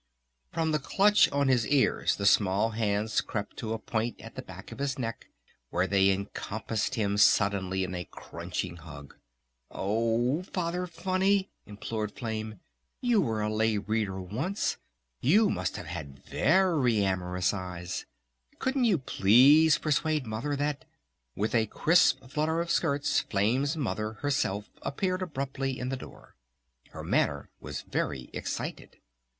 From the clutch on his ears the small hands crept to a point at the back of his neck where they encompassed him suddenly in a crunching hug. "Oh Father Funny!" implored Flame, "You were a Lay Reader once! You must have had very amorous eyes! Couldn't you please persuade Mother that..." With a crisp flutter of skirts Flame's Mother, herself, appeared abruptly in the door. Her manner was very excited.